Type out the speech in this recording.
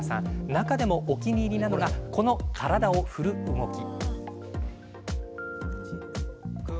中でもお気に入りなのがこの体を振る動き。